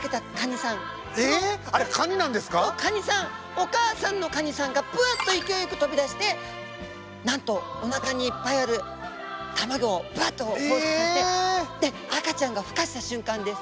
お母さんのカニさんがぶわっと勢い良く飛び出してなんとおなかにいっぱいある卵をぶわっと放出させて赤ちゃんがふ化した瞬間です。